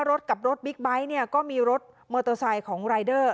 รถกับรถบิ๊กไบท์เนี่ยก็มีรถมอเตอร์ไซค์ของรายเดอร์